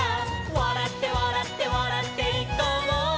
「わらってわらってわらっていこうよ」